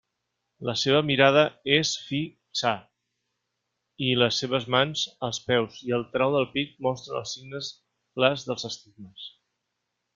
La seva mirada és fi xa, i les seves mans, els peus i el trau del pit mostren els signes clars dels estigmes.